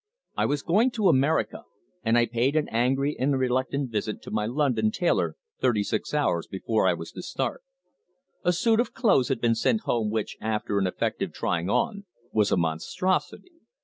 I was going to America, and I paid an angry and reluctant visit to my London tailor thirty six hours before I was to start. A suit of clothes had been sent home which, after an effective trying on, was a monstrosity.